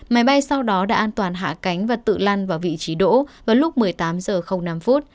máy bay sau đó đã an toàn hạ cánh và tự lăn vào vị trí đỗ vào lúc một mươi tám h năm